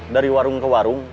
dari warung ke warung